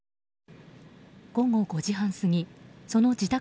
午後５時半すぎその自宅